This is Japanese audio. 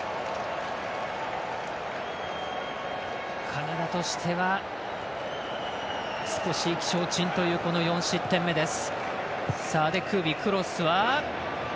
カナダとしては少し意気消沈というこの４失点目です。